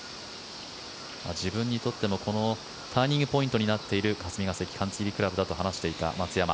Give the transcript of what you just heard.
自分にとってもターニングポイントになっている霞ヶ関カンツリー倶楽部と話していた松山。